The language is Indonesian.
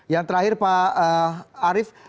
yang terakhir pak arief